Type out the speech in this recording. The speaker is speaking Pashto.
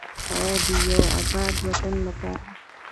او د یو اباد وطن لپاره.